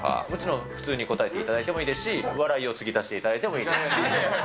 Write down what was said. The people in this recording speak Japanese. もちろん、普通に答えていただいてもいいですし、笑いを継ぎ足していただいてもいいですし。